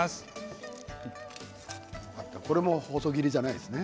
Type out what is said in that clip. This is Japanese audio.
これは細切りではないですね。